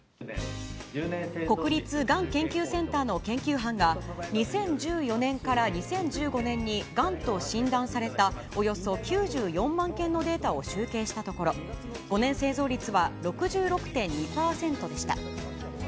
国立がん研究センターの研究班が、２０１４年から２０１５年にがんと診断されたおよそ９４万件のデータを集計したところ、５年生存率は６６．２％でした。